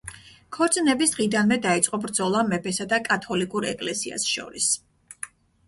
ქორწინების დღიდანვე დაიწყო ბრძოლა მეფესა და კათოლიკურ ეკლესიას შორის.